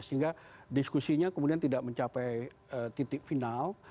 sehingga diskusinya kemudian tidak mencapai titik final